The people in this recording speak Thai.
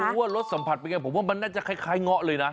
ว่ารสสัมผัสเป็นไงผมว่ามันน่าจะคล้ายเงาะเลยนะ